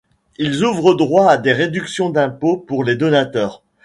Ils ouvrent droit à des réductions d’impôts pour les donateurs.